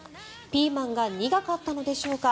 ピーマンが苦かったのでしょうか。